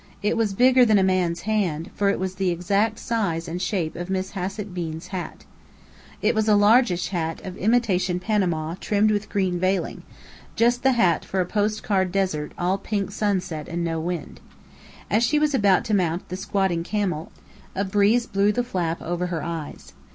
It was bigger than a man's hand, for it was the exact size and shape of Miss Hassett Bean's hat. It was a largish hat of imitation Panama trimmed with green veiling, just the hat for a post card desert all pink sunset and no wind. As she was about to mount the squatting camel, a breeze blew the flap over her eyes.